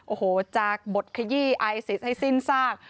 โอ้โหจากบทขยี้ไอซิสให้สิ้นซาก